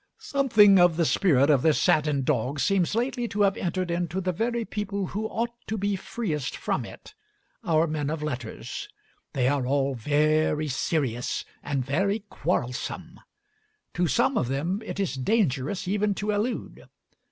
Something of the spirit of this saddened dog seems lately to have entered into the very people who ought to be freest from it, our men of letters. They are all very serious and very quarrelsome. To some of them it is dangerous even to allude.